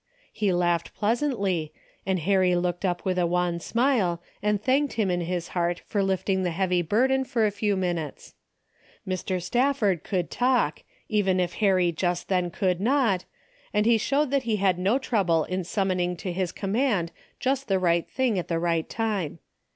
He laughed pleas antly, and Harry looked up with a wan smile and thanked him in his heart for lifting thq heavy burden for a few minutes. Mr. Stafford could talk, even if Harry just then could not, and he showed that he had no trouble in sum moning to his command just the right thing at the right time.